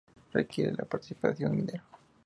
Requiere la participación de un minero.